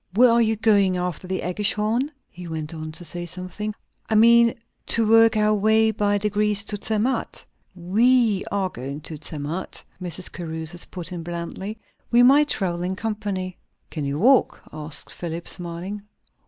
"Where are you going after the AEggischhorn?" he went on, to say something. "We mean to work our way, by degrees, to Zermatt." "We are going to Zermatt," Mrs. Caruthers put in blandly. "We might travel in company." "Can you walk?" asked Philip, smiling.